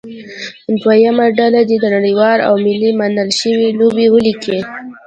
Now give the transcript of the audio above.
دویمه ډله دې نړیوالې او ملي منل شوې لوبې ولیکي.